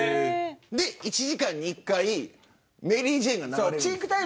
１時間に１回メリー・ジェーンが流れる。